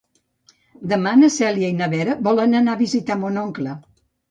Demà na Cèlia i na Vera volen anar a visitar mon oncle.